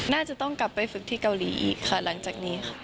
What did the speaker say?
น่าจะต้องกลับไปฝึกที่เกาหลีอีกค่ะหลังจากนี้ค่ะ